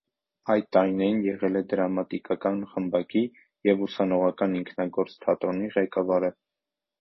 Այդ տարիներին եղել է դրամատիկական խմբակի և ուսանողական ինքնագործ թատրոնի ղեկավարը։